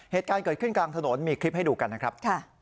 เหตุการณ์เกิดขึ้นกลางถนนมีคลิปให้ดูกันนะครับ